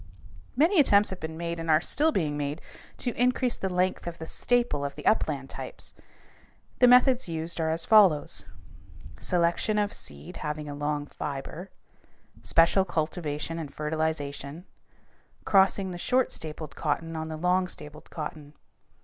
Many attempts have been made and are still being made to increase the length of the staple of the upland types. The methods used are as follows: selection of seed having a long fiber; special cultivation and fertilization; crossing the short stapled cotton on the long stapled cotton.